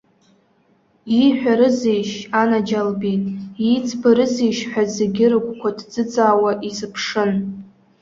Ииҳәарызеишь, анаџьалбеит, ииӡбарызеишь ҳәа зегьы рыгәқәа ҭӡыӡаауа изыԥшын.